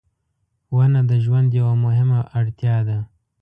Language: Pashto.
• ونه د ژوند یوه مهمه اړتیا ده.